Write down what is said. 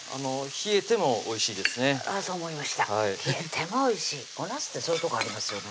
冷えてもおいしいおなすってそういうとこありますよね